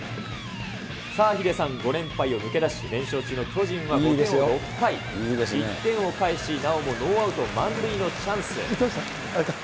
さあヒデさん、５連敗を抜け出し、連勝中の巨人は６回、１点を返し、なおもノーアウト満塁のチャンス。